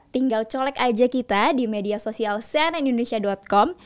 tinggal colek aja kita di media sosial cnnindonesia com